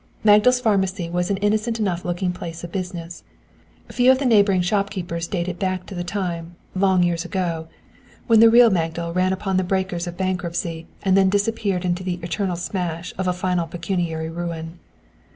Magdal's Pharmacy was an innocent enough looking place of business. Few of the neighboring shopkeepers dated back to the time, long years ago, when the real Magdal ran upon the breakers of bankruptcy and disappeared in the "eternal smash" of a final pecuniary ruin.